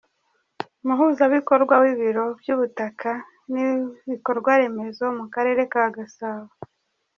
Umuhuzabikorwa w’ibiro by’ubutaka n’ibikorwaremezo mu karere ka Gasabo.